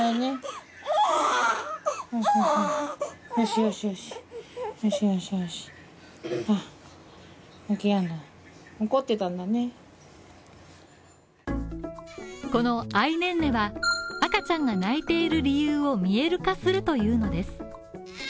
そしてこのａｉｎｅｎｎｅは、赤ちゃんが泣いている理由を見える化するというのです。